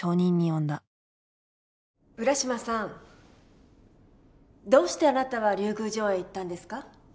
浦島さんどうしてあなたは竜宮城へ行ったんですか？